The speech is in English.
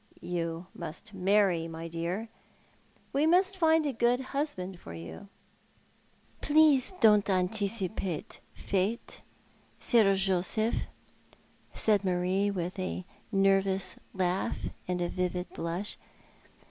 You must marry, my dear ; we must find a good husband for you." " Please don't anticipate Fate, Sir Joseph," said Marie, with a little nervous laugh, and a vivid blush.